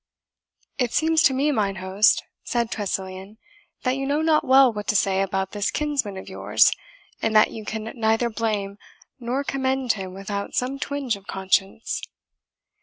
"It seems to me, mine host," said Tressilian, "that you know not well what to say about this kinsman of yours, and that you can neither blame nor commend him without some twinge of conscience."